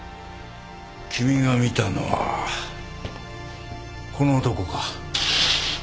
君が見たのはこの男か？